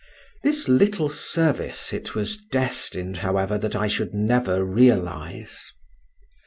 This little service it was destined, however, that I should never realise.